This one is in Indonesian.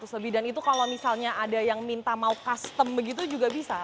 dua ratus lebih dan itu kalau misalnya ada yang minta mau custom begitu juga bisa